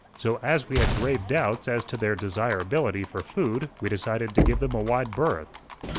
So as we had grave doubts as to their desirability for food we decided to give them a wide berth.